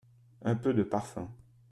Un peu de parfum.